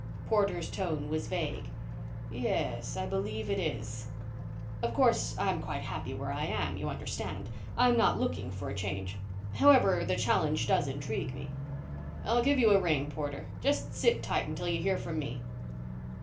Porter's tone was vague. "Yes. I believe it is." "Of course, I'm quite happy where I am, you understand. I'm not looking for a change. However, the challenge does intrigue me." "I'll give you a ring, Porter. Just sit tight until you hear from me."